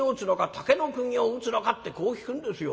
竹の釘を打つのか？』ってこう聞くんですよ。